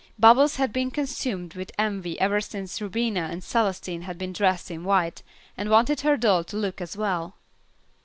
Bubbles had been consumed with envy ever since Rubina and Celestine had been dressed in white, and wanted her doll to look as well.